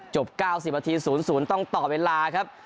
จบ๙๐นาที๐๐ต้องต่อเวลาครับ